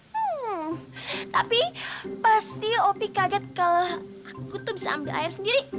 hmm tapi pasti opi kaget kalau aku tuh bisa ambil air sendiri